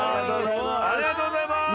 ありがとうございます。